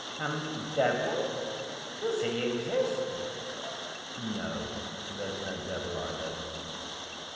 "And the devil? Does he exist?" "No, there's no devil either."